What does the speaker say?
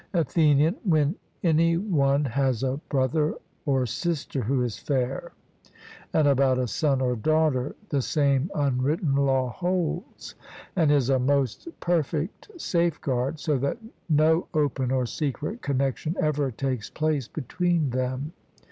ATHENIAN: When any one has a brother or sister who is fair; and about a son or daughter the same unwritten law holds, and is a most perfect safeguard, so that no open or secret connexion ever takes place between them.